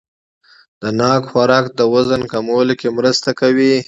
د ناک خوراک د وزن کمولو کې مرسته کوي.